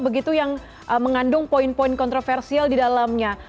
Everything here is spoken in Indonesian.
begitu yang mengandung poin poin kontroversial di dalamnya